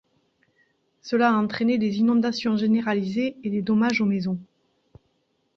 Cela a entraîné des inondations généralisées et des dommages aux maisons.